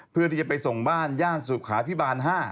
เพื่อที่จะไปส่งบ้านย่านสุขาพิบาล๕